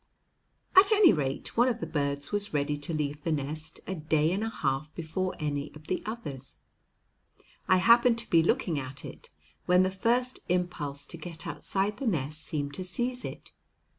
At any rate, one of the birds was ready to leave the nest a day and a half before any of the others. I happened to be looking at it when the first impulse to get outside the nest seemed to seize it.